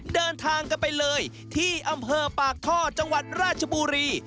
เดินทางกันไปเลยที่อำเภอปากท่อจังหวัดราชบุรี